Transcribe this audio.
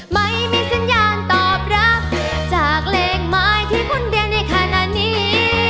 ไม่มีสัญญาณตอบรับจากเลขหมายที่คุณเรียนในขณะนี้